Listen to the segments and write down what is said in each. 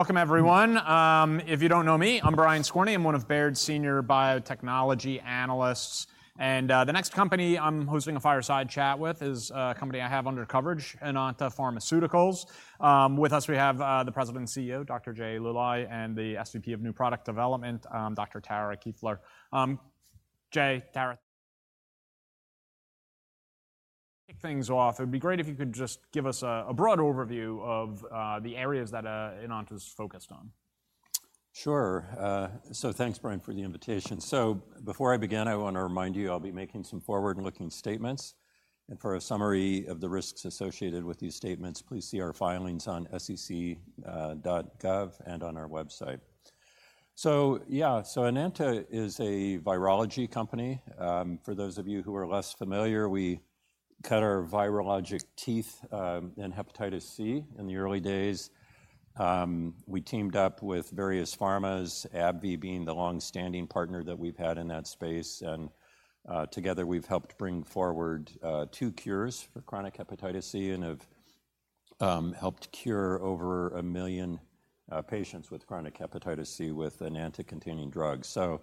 Welcome everyone. If you don't know me, I'm Brian Skorney. I'm one of Baird's senior biotechnology analysts, and, the next company I'm hosting a fireside chat with is a company I have under coverage, Enanta Pharmaceuticals. With us, we have, the President and CEO, Dr. Jay Luly, and the SVP of New Product Development, Dr. Tara Kieffer. Jay, Tara, kick things off. It'd be great if you could just give us a broad overview of, the areas that, Enanta is focused on. Sure. So thanks, Brian, for the invitation. So before I begin, I want to remind you, I'll be making some forward-looking statements, and for a summary of the risks associated with these statements, please see our filings on sec.gov and on our website. So yeah, so Enanta is a virology company. For those of you who are less familiar, we cut our virologic teeth in hepatitis C in the early days. We teamed up with various pharma, AbbVie being the long-standing partner that we've had in that space, and together, we've helped bring forward two cures for chronic hepatitis C and have helped cure over 1 million patients with chronic hepatitis C with an AbbVie-containing drug. So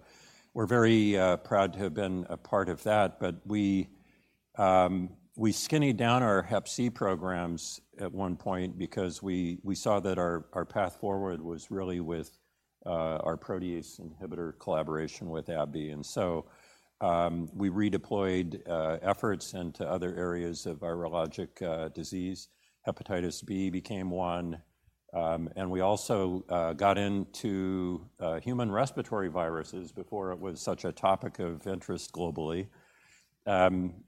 we're very proud to have been a part of that, but we skinnied down our hep C programs at one point because we saw that our path forward was really with our protease inhibitor collaboration with AbbVie. And so, we redeployed efforts into other areas of virologic disease. Hepatitis B became one, and we also got into human respiratory viruses before it was such a topic of interest globally,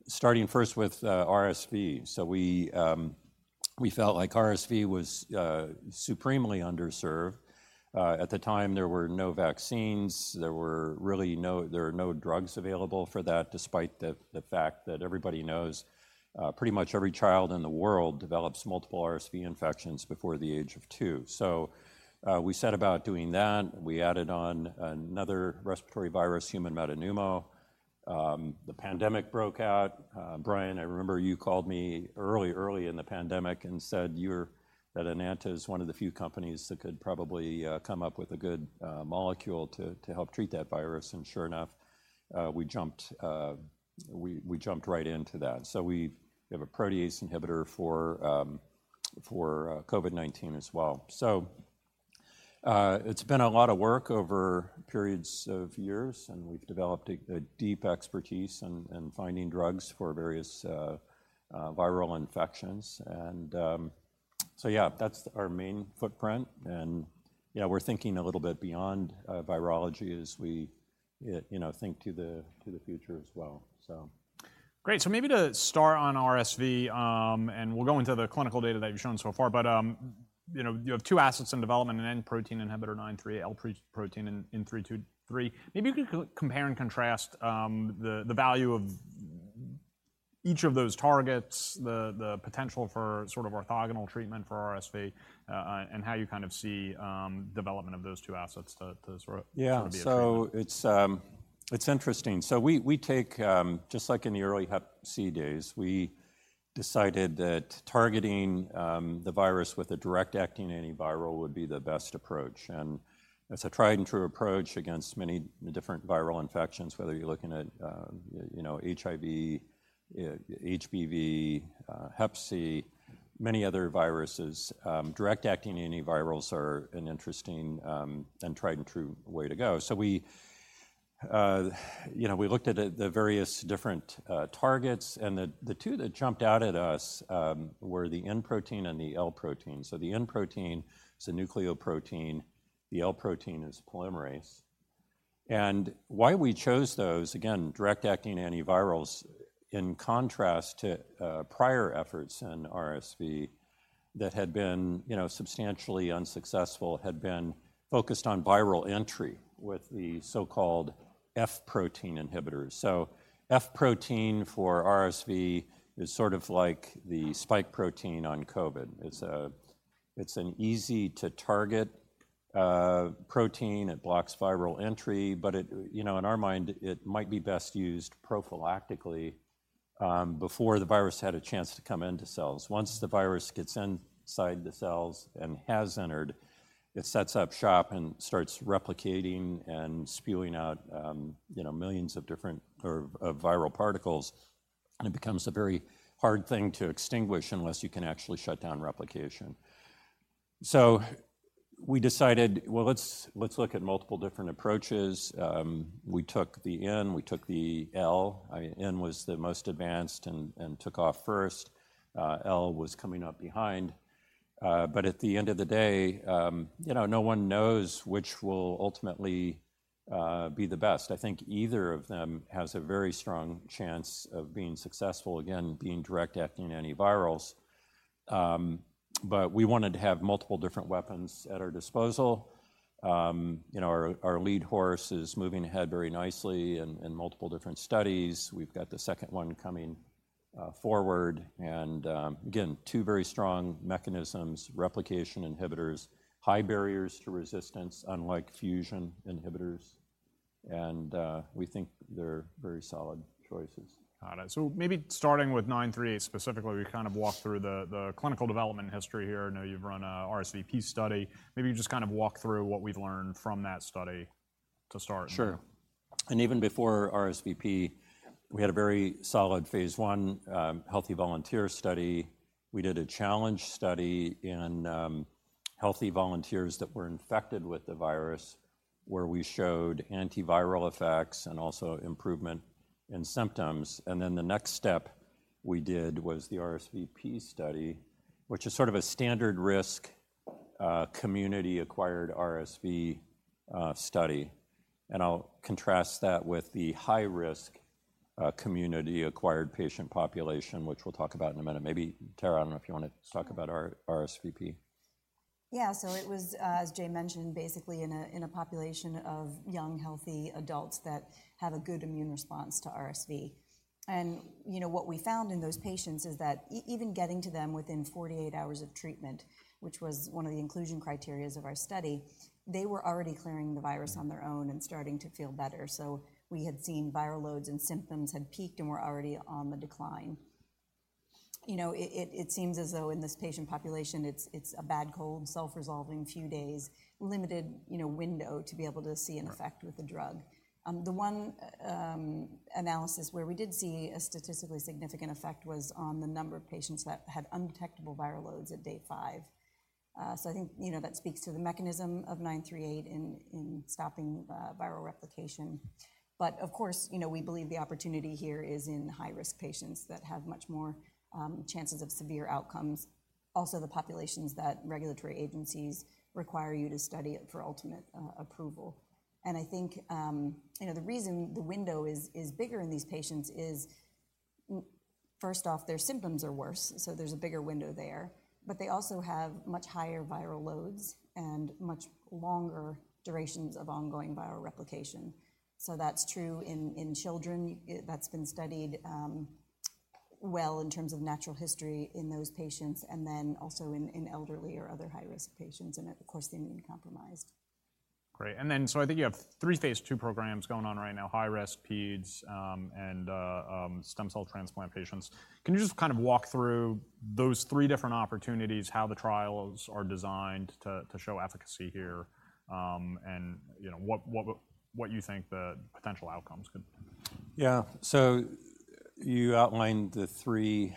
starting first with RSV. So we felt like RSV was supremely underserved. At the time, there were no vaccines. There were really no drugs available for that, despite the fact that everybody knows pretty much every child in the world develops multiple RSV infections before the age of two. So we set about doing that. We added on another respiratory virus, human metapneumovirus. The pandemic broke out. Brian, I remember you called me early, early in the pandemic and said that Enanta is one of the few companies that could probably come up with a good molecule to help treat that virus. And sure enough, we jumped, we jumped right into that. So we have a protease inhibitor for COVID-19 as well. So, it's been a lot of work over periods of years, and we've developed a deep expertise in finding drugs for various viral infections, and so yeah, that's our main footprint. And yeah, we're thinking a little bit beyond virology as we you know, think to the future as well, so. Great. So maybe to start on RSV, and we'll go into the clinical data that you've shown so far, but, you know, you have two assets in development, an N protein inhibitor, EDP-938, L protein inhibitor, EDP-323. Maybe you could compare and contrast the value of each of those targets, the potential for sort of orthogonal treatment for RSV, and how you kind of see development of those two assets to sort of- Yeah. Sort of be a treatment. So it's interesting. So we take just like in the early hep C days, we decided that targeting the virus with a direct-acting antiviral would be the best approach, and it's a tried-and-true approach against many different viral infections, whether you're looking at, you know, HIV, HBV, hep C, many other viruses. Direct-acting antivirals are an interesting and tried-and-true way to go. So we, you know, we looked at the various different targets, and the two that jumped out at us were the N protein and the L protein. So the N protein is a nucleoprotein, the L protein is polymerase. And why we chose those, again, direct-acting antivirals, in contrast to prior efforts in RSV that had been, you know, substantially unsuccessful, had been focused on viral entry with the so-called F protein inhibitors. So F protein for RSV is sort of like the spike protein on COVID. It's an easy-to-target protein. It blocks viral entry, but it, you know, in our mind, it might be best used prophylactically before the virus had a chance to come into cells. Once the virus gets inside the cells and has entered, it sets up shop and starts replicating and spewing out, you know, millions of different viral particles, and it becomes a very hard thing to extinguish unless you can actually shut down replication. So we decided, well, let's look at multiple different approaches. We took the N, we took the L. N was the most advanced and took off first. L was coming up behind, but at the end of the day, you know, no one knows which will ultimately be the best. I think either of them has a very strong chance of being successful, again, being direct-acting antivirals. But we wanted to have multiple different weapons at our disposal. You know, our lead horse is moving ahead very nicely in multiple different studies. We've got the second one coming forward, and again, two very strong mechanisms, replication inhibitors, high barriers to resistance, unlike fusion inhibitors... and we think they're very solid choices. Got it. So maybe starting with 938 specifically, we kind of walk through the clinical development history here. I know you've run an RSV POC study. Maybe you just kind of walk through what we've learned from that study to start. Sure. And even before RSVP, we had a very solid Phase I healthy volunteer study. We did a challenge study in healthy volunteers that were infected with the virus, where we showed antiviral effects and also improvement in symptoms. And then the next step we did was the RSVP study, which is sort of a standard risk community-acquired RSV study. And I'll contrast that with the high risk community-acquired patient population, which we'll talk about in a minute. Maybe, Tara, I don't know if you want to talk about RSVP? Yeah. So it was, as Jay mentioned, basically in a population of young, healthy adults that have a good immune response to RSV. And, you know, what we found in those patients is that even getting to them within 48 hours of treatment, which was one of the inclusion criteria of our study, they were already clearing the virus on their own and starting to feel better. So we had seen viral loads and symptoms had peaked and were already on the decline. You know, it seems as though in this patient population, it's a bad cold, self-resolving, few days, limited, you know, window to be able to see an effect with the drug. The one analysis where we did see a statistically significant effect was on the number of patients that had undetectable viral loads at day 5. So, I think, you know, that speaks to the mechanism of 938 in stopping viral replication. But of course, you know, we believe the opportunity here is in high-risk patients that have much more chances of severe outcomes. Also, the populations that regulatory agencies require you to study it for ultimate approval. And I think, you know, the reason the window is bigger in these patients is, first off, their symptoms are worse, so there's a bigger window there, but they also have much higher viral loads and much longer durations of ongoing viral replication. So that's true in children. That's been studied well in terms of natural history in those patients, and then also in elderly or other high-risk patients, and of course, the immunocompromised. Great. And then, so I think you have three Phase II programs going on right now: high risk, peds, and stem cell transplant patients. Can you just kind of walk through those three different opportunities, how the trials are designed to show efficacy here, and, you know, what you think the potential outcomes could be? Yeah. So you outlined the three...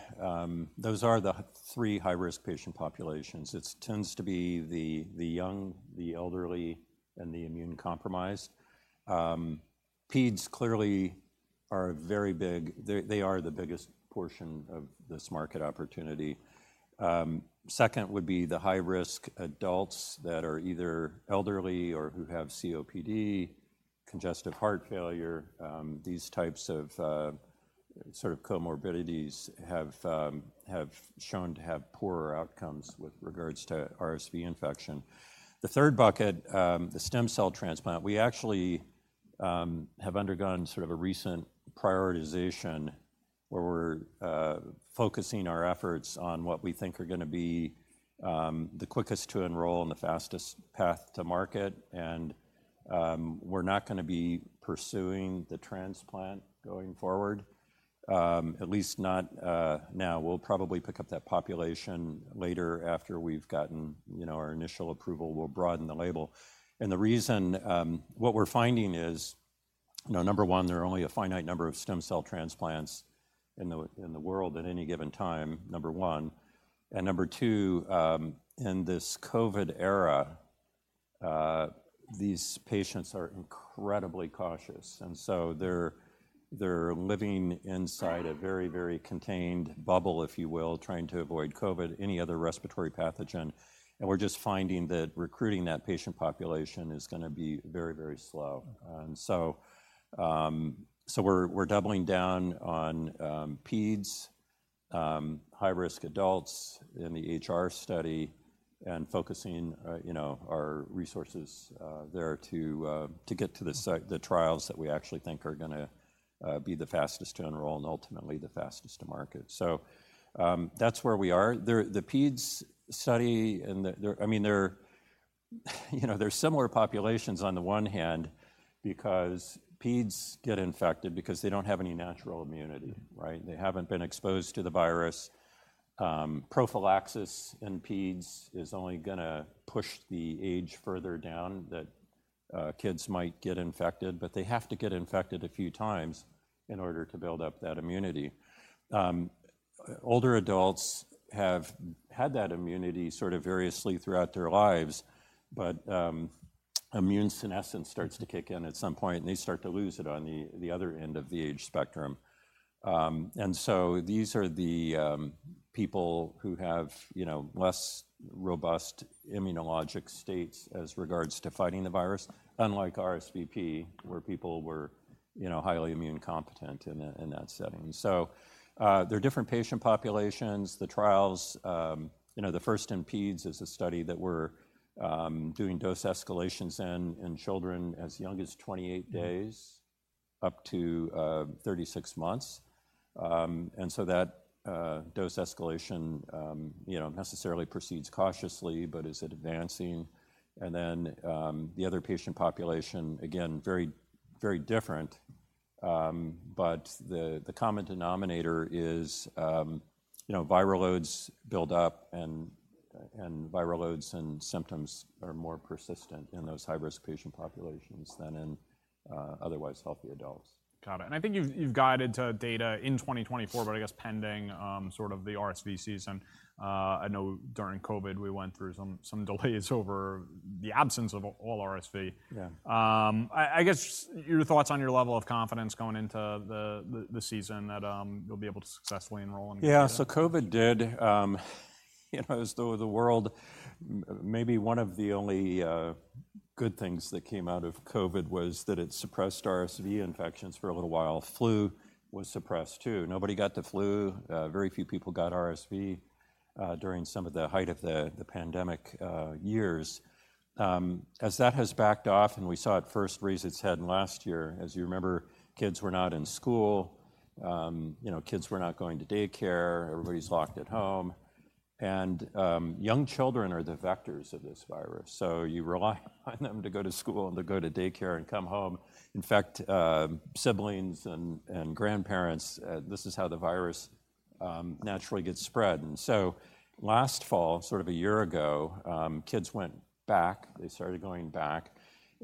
those are the three high-risk patient populations. It tends to be the young, the elderly, and the immunocompromised. Peds clearly are very big. They are the biggest portion of this market opportunity. Second would be the high-risk adults that are either elderly or who have COPD, congestive heart failure. These types of sort of comorbidities have shown to have poorer outcomes with regards to RSV infection. The third bucket, the stem cell transplant, we actually have undergone sort of a recent prioritization, where we're focusing our efforts on what we think are going to be the quickest to enroll and the fastest path to market, and we're not going to be pursuing the transplant going forward, at least not now. We'll probably pick up that population later after we've gotten, you know, our initial approval, we'll broaden the label. And the reason, what we're finding is, you know, number one, there are only a finite number of stem cell transplants in the world at any given time, number one. And number two, in this COVID era, these patients are incredibly cautious, and so they're living inside a very, very contained bubble, if you will, trying to avoid COVID, any other respiratory pathogen, and we're just finding that recruiting that patient population is going to be very, very slow. So, we're doubling down on peds, high-risk adults in the HR study, and focusing, you know, our resources there to get to the trials that we actually think are going to be the fastest to enroll and ultimately the fastest to market. So, that's where we are. The peds study and the... I mean, they're similar populations on the one hand, because peds get infected because they don't have any natural immunity, right? They haven't been exposed to the virus. Prophylaxis in peds is only going to push the age further down that kids might get infected, but they have to get infected a few times in order to build up that immunity. Older adults have had that immunity sort of variously throughout their lives, but, immunesenescence starts to kick in at some point, and they start to lose it on the, the other end of the age spectrum. And so these are the, people who have, you know, less robust immunologic states as regards to fighting the virus, unlike RSV, where people were, you know, highly immunocompetent in, in that setting. So, there are different patient populations. The trials, you know, the first-in-peds is a study that we're, doing dose escalations in, in children as young as 28 days up to, 36 months. And so that, dose escalation, you know, necessarily proceeds cautiously, but is advancing. And then, the other patient population, again, very, very different, but the, the common denominator is, you know, viral loads build up, and, and viral loads and symptoms are more persistent in those high-risk patient populations than in, otherwise healthy adults. Got it. I think you've guided to data in 2024, but I guess pending sort of the RSV season. I know during COVID, we went through some delays over the absence of all RSV. Yeah. I guess your thoughts on your level of confidence going into the season that you'll be able to successfully enroll and- Yeah, so COVID did, you know, as though the world... Maybe one of the only good things that came out of COVID was that it suppressed RSV infections for a little while. Flu was suppressed, too. Nobody got the flu. Very few people got RSV during some of the height of the pandemic years. As that has backed off, and we saw it first raise its head last year, as you remember, kids were not in school, you know, kids were not going to daycare, everybody's locked at home. And young children are the vectors of this virus, so you rely on them to go to school and to go to daycare and come home. In fact, siblings and grandparents, this is how the virus naturally gets spread. Last fall, sort of a year ago, kids went back, they started going back,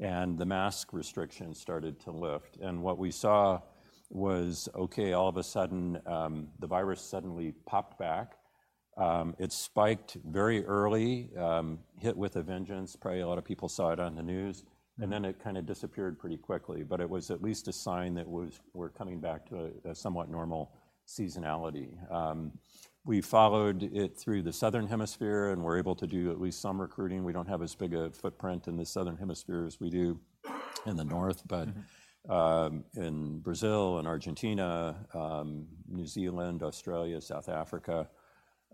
and the mask restrictions started to lift. And what we saw was, okay, all of a sudden, the virus suddenly popped back. It spiked very early, hit with a vengeance, probably a lot of people saw it on the news, and then it kind of disappeared pretty quickly. But it was at least a sign we're coming back to a somewhat normal seasonality. We followed it through the Southern Hemisphere, and were able to do at least some recruiting. We don't have as big a footprint in the Southern Hemisphere as we do in the North- Mm-hmm ...but in Brazil and Argentina, New Zealand, Australia, South Africa.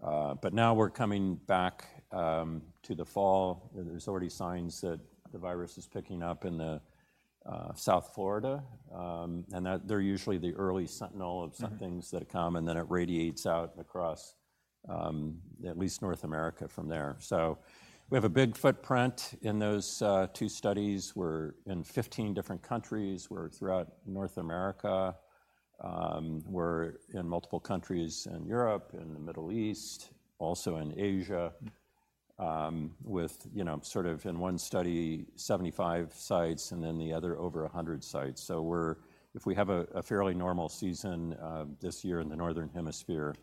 But now we're coming back to the fall, and there's already signs that the virus is picking up in the South Florida. And that they're usually the early sentinel of- Mm-hmm... some things that come, and then it radiates out across, at least North America from there. So we have a big footprint in those, two studies. We're in 15 different countries. We're throughout North America. We're in multiple countries in Europe, in the Middle East, also in Asia, with, you know, sort of in one study, 75 sites, and then the other, over 100 sites. So we're if we have a, a fairly normal season, this year in the Northern Hemisphere,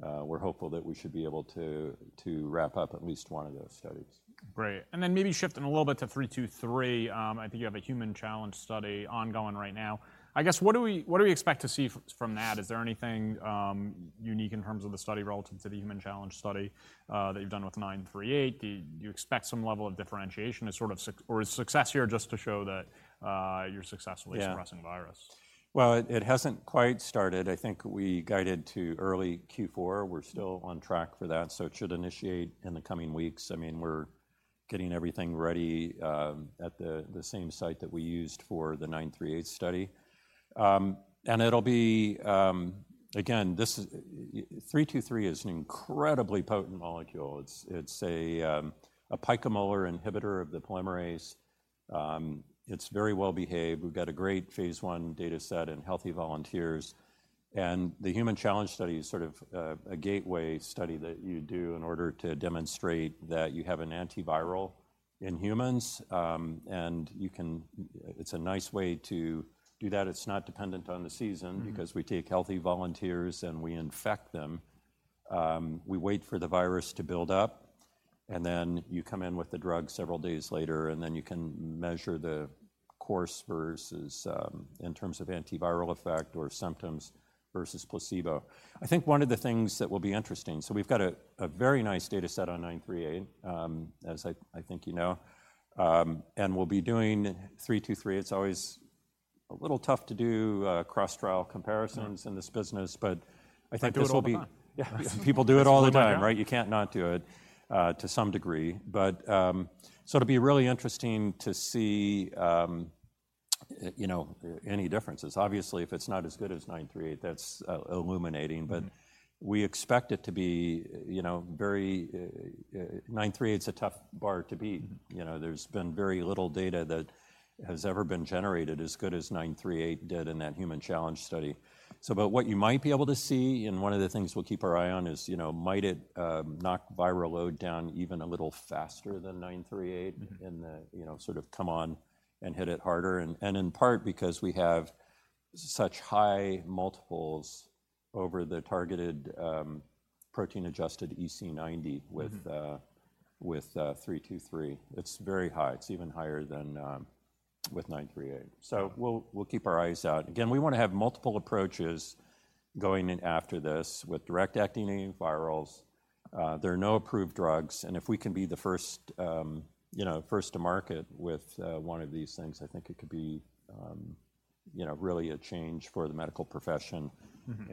we're hopeful that we should be able to, to wrap up at least one of those studies. Great. And then maybe shifting a little bit to 323, I think you have a human challenge study ongoing right now. I guess, what do we, what do we expect to see from that? Is there anything unique in terms of the study relative to the human challenge study that you've done with 938? Do you expect some level of differentiation as sort of success or is success here just to show that you're successfully- Yeah... suppressing the virus? Well, it hasn't quite started. I think we guided to early Q4. We're still on track for that, so it should initiate in the coming weeks. I mean, we're getting everything ready, at the same site that we used for the 938 study. And it'll be... Again, this is, 323 is an incredibly potent molecule. It's a picomolar inhibitor of the polymerase. It's very well behaved. We've got a great phase I data set in healthy volunteers. And the human challenge study is sort of a gateway study that you do in order to demonstrate that you have an antiviral in humans. And you can... It's a nice way to do that. It's not dependent on the season- Mm-hmm... because we take healthy volunteers, and we infect them. We wait for the virus to build up, and then you come in with the drug several days later, and then you can measure the course versus in terms of antiviral effect or symptoms versus placebo. I think one of the things that will be interesting, so we've got a very nice data set on 938, as I think you know, and we'll be doing 323. It's always a little tough to do cross-trial comparisons- Right... in this business, but I think this will be- Do it all the time. Yeah. People do it all the time, right? It's done now. You can't not do it, to some degree. But, so it'll be really interesting to see, you know, any differences. Obviously, if it's not as good as 938, that's illuminating- Mm-hmm... but we expect it to be, you know, very... 938's a tough bar to beat. You know, there's been very little data that has ever been generated as good as 938 did in that human challenge study. So but what you might be able to see, and one of the things we'll keep our eye on is, you know, might it knock viral load down even a little faster than 938- Mm-hmm... in the, you know, sort of come on and hit it harder, and in part because we have such high multiples over the targeted protein-adjusted EC90 with- Mm-hmm... with 323. It's very high. It's even higher than with 938. So we'll keep our eyes out. Again, we want to have multiple approaches going in after this with direct-acting antivirals. There are no approved drugs, and if we can be the first, you know, first to market with one of these things, I think it could be, you know, really a change for the medical profession- Mm-hmm.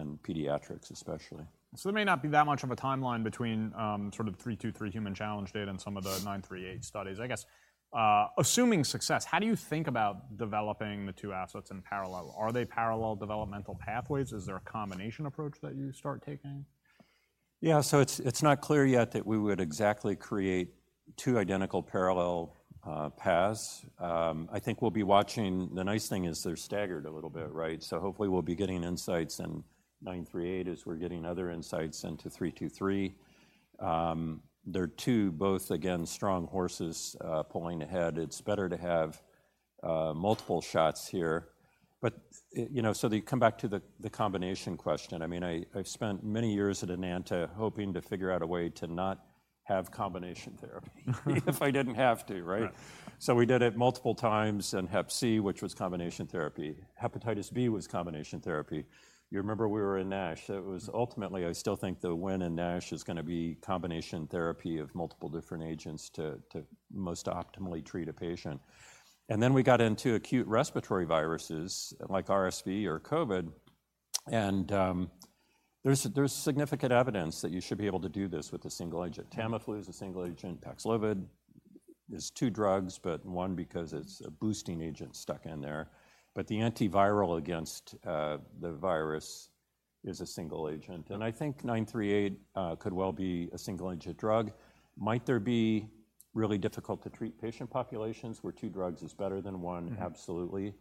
and pediatrics especially. So there may not be that much of a timeline between, sort of 323 human challenge data and some of the 938 studies. I guess, assuming success, how do you think about developing the two assets in parallel? Are they parallel developmental pathways? Is there a combination approach that you start taking? Yeah, so it's not clear yet that we would exactly create two identical parallel paths. I think we'll be watching... The nice thing is they're staggered a little bit, right? So hopefully we'll be getting insights in 938 as we're getting other insights into 323. They're two, both again, strong horses pulling ahead. It's better to have multiple shots here. But you know, so to come back to the combination question, I mean, I spent many years at Enanta hoping to figure out a way to not have combination therapy if I didn't have to, right? Right. So we did it multiple times in hep C, which was combination therapy. Hepatitis B was combination therapy. You remember we were in NASH. That was ultimately, I still think the win in NASH is gonna be combination therapy of multiple different agents to most optimally treat a patient. And then we got into acute respiratory viruses like RSV or COVID, and there's significant evidence that you should be able to do this with a single agent. Tamiflu is a single agent. Paxlovid is two drugs, but one because it's a boosting agent stuck in there, but the antiviral against the virus is a single agent. And I think 938 could well be a single agent drug. Might there be really difficult to treat patient populations where two drugs is better than one? Mm-hmm. Absolutely.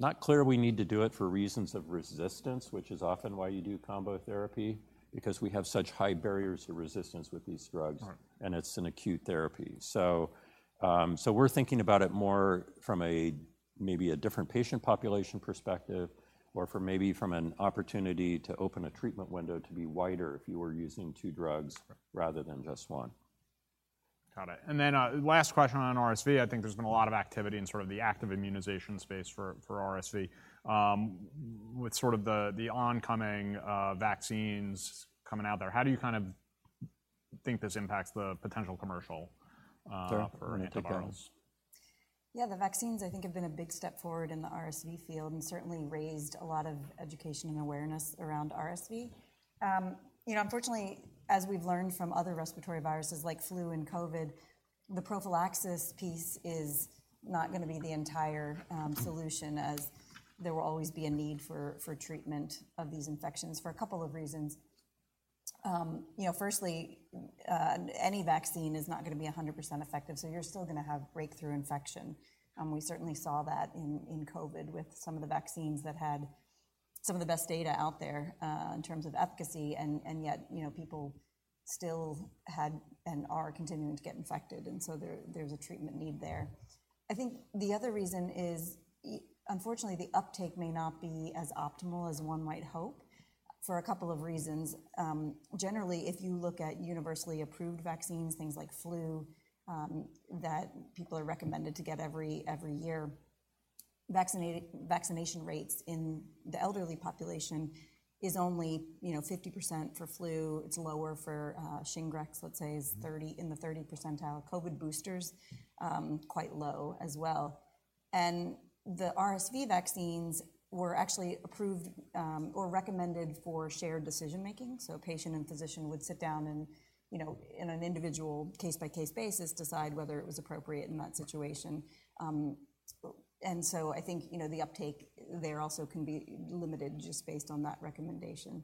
Not clear we need to do it for reasons of resistance, which is often why you do combo therapy, because we have such high barriers to resistance with these drugs- Right. And it's an acute therapy. So, so we're thinking about it more from maybe a different patient population perspective, or from maybe an opportunity to open a treatment window to be wider if you were using two drugs rather than just one. Got it. And then, last question on RSV. I think there's been a lot of activity in sort of the active immunization space for RSV. With sort of the oncoming vaccines coming out there, how do you kind of think this impacts the potential commercial— Sure. -for antivirals? Yeah, the vaccines, I think, have been a big step forward in the RSV field and certainly raised a lot of education and awareness around RSV. You know, unfortunately, as we've learned from other respiratory viruses like flu and COVID, the prophylaxis piece is not gonna be the entire solution, as there will always be a need for treatment of these infections for a couple of reasons. You know, firstly, any vaccine is not gonna be 100% effective, so you're still gonna have breakthrough infection. We certainly saw that in COVID with some of the vaccines that had some of the best data out there in terms of efficacy, and yet, you know, people still had and are continuing to get infected, and so there's a treatment need there. I think the other reason is unfortunately, the uptake may not be as optimal as one might hope for a couple of reasons. Generally, if you look at universally approved vaccines, things like flu, that people are recommended to get every year, vaccination rates in the elderly population is only, you know, 50% for flu. It's lower for Shingrix, let's say, is thirty- Mm-hmm. -in the 30 percentile. COVID boosters, quite low as well. The RSV vaccines were actually approved, or recommended for shared decision-making, so patient and physician would sit down and, you know, in an individual case-by-case basis, decide whether it was appropriate in that situation. And so I think, you know, the uptake there also can be limited just based on that recommendation.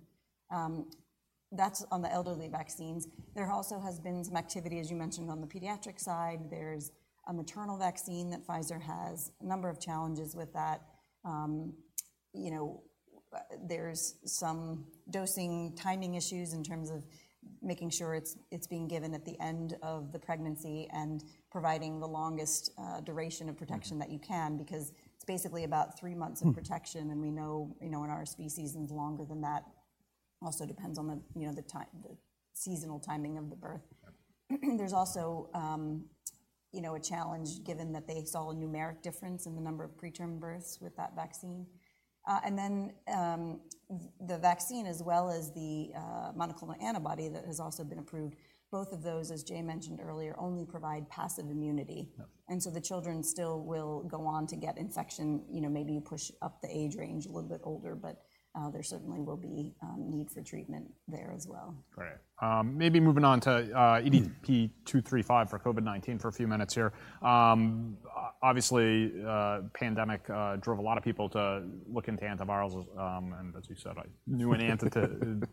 That's on the elderly vaccines. There also has been some activity, as you mentioned, on the pediatric side. There's a maternal vaccine that Pfizer has, a number of challenges with that. You know, there's some dosing, timing issues in terms of making sure it's being given at the end of the pregnancy and providing the longest duration of protection- Mm. that you can, because it's basically about three months of protection. Mm. And we know, you know, in RSV seasons longer than that. Also depends on the, you know, the time... the seasonal timing of the birth. Yep. There's also, you know, a challenge, given that they saw a numeric difference in the number of preterm births with that vaccine. And then, the vaccine, as well as the monoclonal antibody that has also been approved, both of those, as Jay mentioned earlier, only provide passive immunity. Yep. And so the children still will go on to get infection, you know, maybe push up the age range a little bit older, but there certainly will be need for treatment there as well. Great. Maybe moving on to EDP-235 for COVID-19 for a few minutes here. Obviously, pandemic drove a lot of people to look into antivirals, and as you said, I knew Enanta to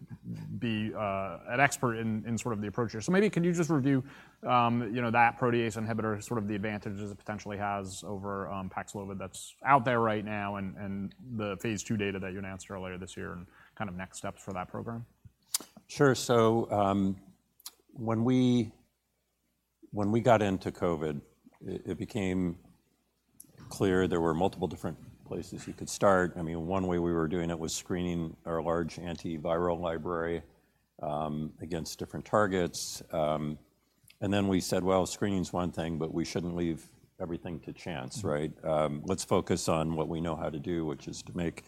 be an expert in sort of the approach here. So maybe can you just review, you know, that protease inhibitor, sort of the advantages it potentially has over PAXLOVID that's out there right now, and the phase II data that you announced earlier this year, and kind of next steps for that program? Sure. So, when we got into COVID, it became clear there were multiple different places you could start. I mean, one way we were doing it was screening our large antiviral library against different targets. And then we said, "Well, screening is one thing, but we shouldn't leave everything to chance," right? Let's focus on what we know how to do, which is to make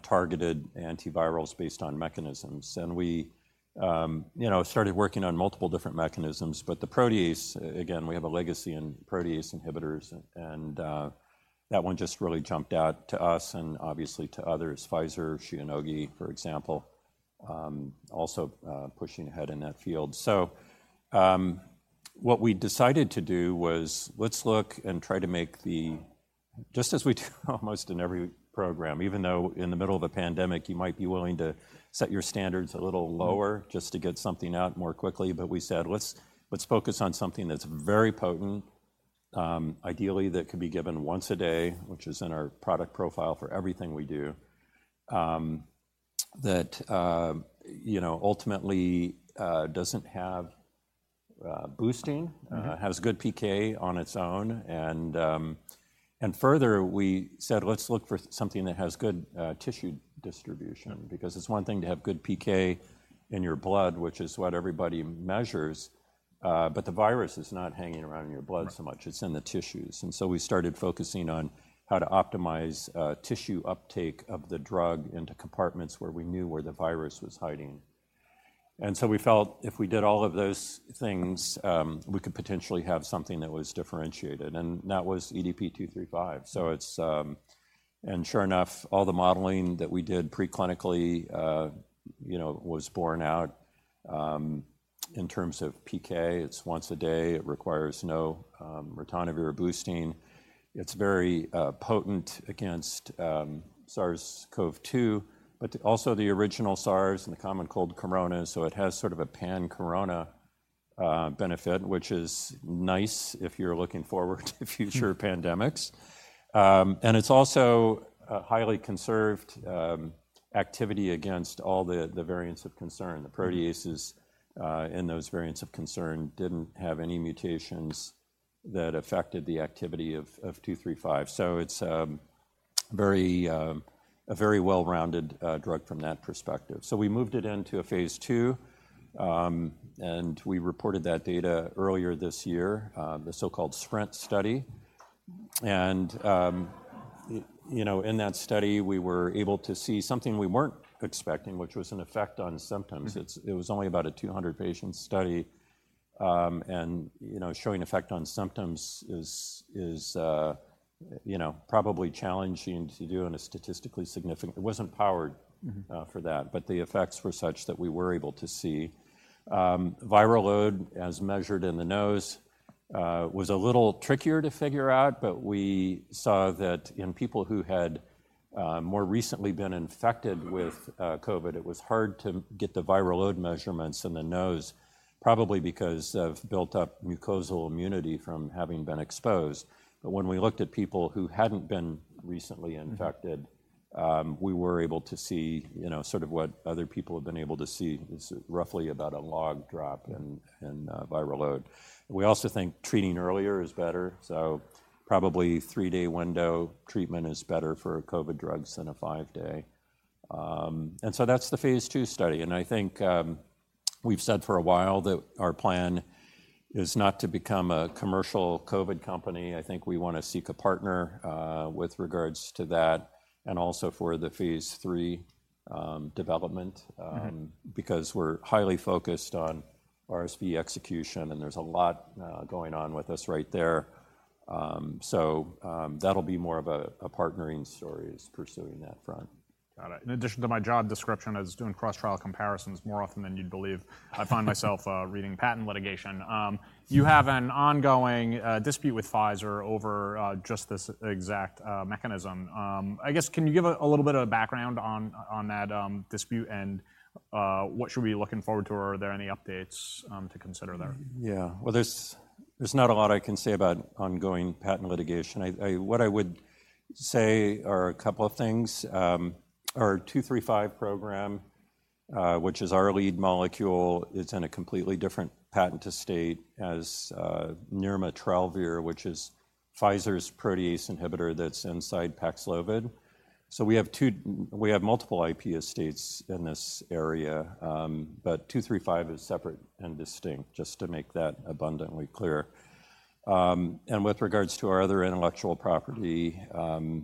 targeted antivirals based on mechanisms. And we, you know, started working on multiple different mechanisms, but the protease, again, we have a legacy in protease inhibitors and that one just really jumped out to us and obviously to others, Pfizer, Shionogi, for example, also pushing ahead in that field. So, what we decided to do was, let's look and try to make the- just as we do almost in every program, even though in the middle of a pandemic, you might be willing to set your standards a little lower just to get something out more quickly. But we said, "Let's focus on something that's very potent, ideally, that could be given once a day," which is in our product profile for everything we do. That, you know, ultimately, doesn't have boosting- Mm-hmm. has good PK on its own. And, and further, we said, "Let's look for something that has good tissue distribution," because it's one thing to have good PK in your blood, which is what everybody measures, but the virus is not hanging around in your blood so much. Right. It's in the tissues. And so we started focusing on how to optimize tissue uptake of the drug into compartments where we knew where the virus was hiding. And so we felt if we did all of those things, we could potentially have something that was differentiated, and that was EDP-235. So it's. And sure enough, all the modeling that we did preclinically, you know, was borne out in terms of PK. It's once a day. It requires no ritonavir boosting. It's very potent against SARS-CoV-2, but also the original SARS and the common cold corona, so it has sort of a pan-corona benefit, which is nice if you're looking forward to future pandemics. And it's also a highly conserved activity against all the variants of concern. Mm-hmm. The proteases in those variants of concern didn't have any mutations that affected the activity of 235. It's a very well-rounded drug from that perspective. We moved it into a phase II, and we reported that data earlier this year, the so-called SPRINT Study. You know, in that study, we were able to see something we weren't expecting, which was an effect on symptoms. Mm-hmm. It was only about a 200-patient study, and, you know, showing effect on symptoms is, you know, probably challenging to do in a statistically significant... It wasn't powered- Mm-hmm. - for that, but the effects were such that we were able to see. Viral load, as measured in the nose, was a little trickier to figure out, but we saw that in people who had more recently been infected with COVID, it was hard to get the viral load measurements in the nose, probably because of built-up mucosal immunity from having been exposed. But when we looked at people who hadn't been recently infected- Mm. We were able to see, you know, sort of what other people have been able to see. It's roughly about a log drop in viral load. We also think treating earlier is better, so probably three-day window treatment is better for COVID drugs than a five-day. And so that's the Phase II study, and I think we've said for a while that our plan is not to become a commercial COVID company. I think we want to seek a partner with regards to that, and also for the Phase III development. Mm-hmm. Because we're highly focused on RSV execution, and there's a lot going on with us right there. So, that'll be more of a partnering story as pursuing that front. Got it. In addition to my job description, is doing cross-trial comparisons more often than you'd believe. I find myself reading patent litigation. You have an ongoing dispute with Pfizer over just this exact mechanism. I guess, can you give a little bit of background on that dispute and what should we be looking forward to, or are there any updates to consider there? Yeah. Well, there's not a lot I can say about ongoing patent litigation. What I would say are a couple of things, our 235 program, which is our lead molecule, it's in a completely different patent estate as nirmatrelvir, which is Pfizer's protease inhibitor that's inside PAXLOVID. So we have multiple IP estates in this area, but 235 is separate and distinct, just to make that abundantly clear. And with regards to our other intellectual property, you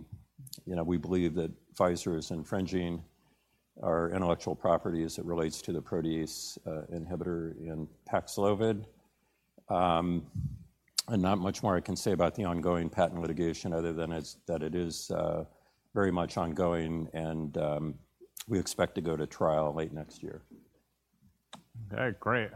know, we believe that Pfizer is infringing our intellectual property as it relates to the protease inhibitor in PAXLOVID. And not much more I can say about the ongoing patent litigation, other than that it is very much ongoing, and we expect to go to trial late next year. Okay, great.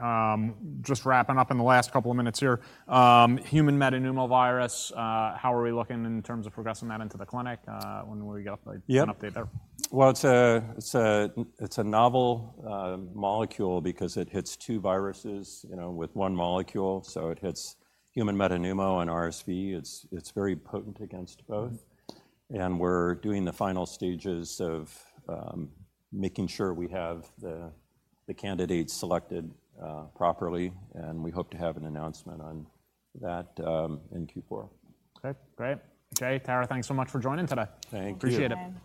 Just wrapping up in the last couple of minutes here. Human metapneumovirus, how are we looking in terms of progressing that into the clinic? When will we get, like- Yep. - an update there? Well, it's a novel molecule because it hits two viruses, you know, with one molecule, so it hits human metapneumovirus and RSV. It's very potent against both. Mm-hmm. We're doing the final stages of making sure we have the candidates selected properly, and we hope to have an announcement on that in Q4. Okay, great. Okay, Tara, thanks so much for joining today. Thank you. Appreciate it.